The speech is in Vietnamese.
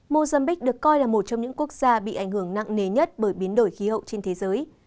mozambique được coi là một trong những quốc gia bị ảnh hưởng nặng nề nhất bởi biến đổi khí hậu trên thế giới